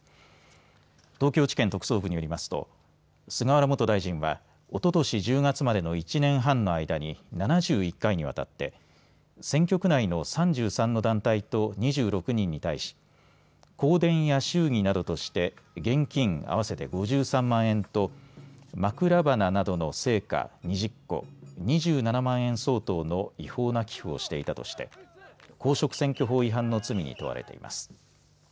東京地検特捜部によりますと菅原元大臣はおととし１０月までの１年半の間に７１回にわたって選挙区内の３３の団体と２６人に対し香典や祝儀などとして現金合わせて５３万円と枕花などの生花２０個・２７万円相当の違法な寄付をしていたとして公職選挙法違反の罪に問われています。